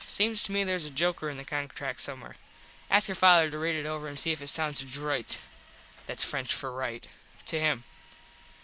Seems to me theres a joker in the contract somewhere. Ask your father to read it over an see if it sound droit (thats French for right) to him.